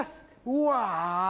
うわ。